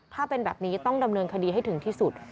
ถ้าเป็นแบบนี้ต้องดำเนินคดีให้ถึงที่สุด